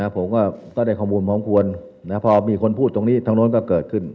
ผมก็ได้ข้อมูลพร้อมควรพอมีคนพูดตรงนี้ทางโน้นก็เกิดขึ้น